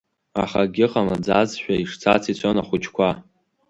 Аха, акгьы ҟамлаӡазшәа, ишцац ицон ахәыҷқәа.